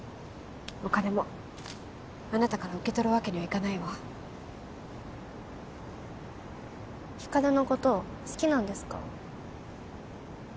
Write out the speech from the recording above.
お金もあなたから受け取るわけにはいかないわ光琉のこと好きなんですか？